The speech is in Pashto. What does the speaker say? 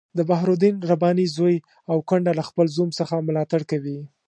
د برهان الدین رباني زوی او کونډه له خپل زوم څخه ملاتړ کوي.